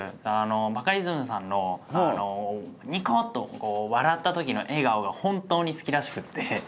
バカリズムさんのニコッと笑った時の笑顔が本当に好きらしくって。